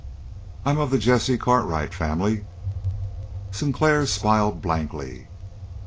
"I'm of the Jesse Cartwright family." Sinclair smiled blankly.